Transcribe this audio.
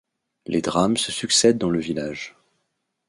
Les drames se succèdent dans le village.